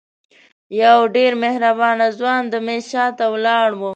یو ډېر مهربانه ځوان د میز شاته ولاړ و.